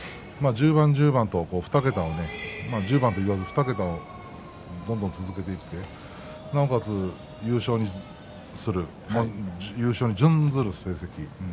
１０番１０番と１０番と言わず２桁をどんどん続けていってなおかつ優勝する優勝に準ずる成績